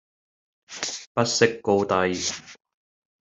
不識高低